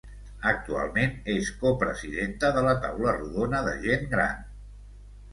Actualment, és copresidenta de la Taula rodona de gent gran